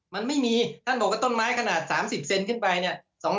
มันไม่มีท่านบอกว่าต้นไม้ขนาด๓๐เซนขึ้นไปเนี่ย